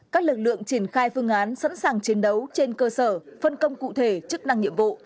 các lực lượng triển khai phương án sẵn sàng chiến đấu trên cơ sở phân công cụ thể chức năng nhiệm vụ